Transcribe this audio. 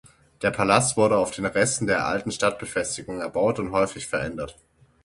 Der Palast wurde auf den Resten der alten Stadtbefestigung erbaut und häufig verändert.